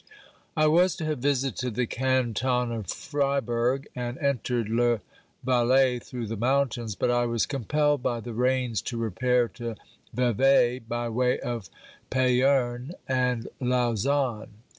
I was to have visited the canton of Friburg and entered le Valais through the mountains, but I was compelled by the rains to repair to Vevey, by way of Payerne and Lausanne.